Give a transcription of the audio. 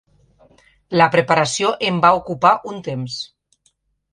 La preparació em va ocupar un temps.